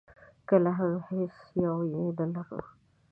کله هم هېڅ یو یې نه ولرو.